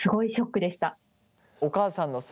お母さんのさ